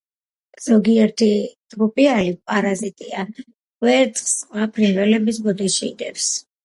ზოგიერთი ტრუპიალი პარაზიტია, კვერცხს სხვა ფრინველების ბუდეში დებს.